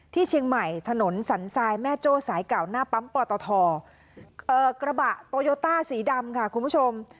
ที่เชียงใหม่ถนนสันทรายแม่โจ้สายเก่าหน้าปั๊มปอตทกระบะโตโยต้าสีดำค่ะคุณผู้ชม